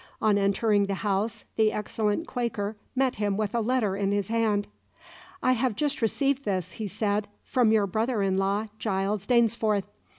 On entering the house, the excellent quaker met him with a letter in his hand. "I have just received this," he said, "from your brother in law Giles Dainsforth.